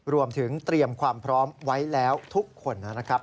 รวมถึงเตรียมความพร้อมไว้แล้วทุกคนนะครับ